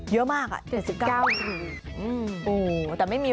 ขัดเอาไว้